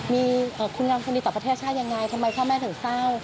มีคุณงามคนดีต่อประเทศชาติยังไงทำไมพ่อแม่ถึงเศร้า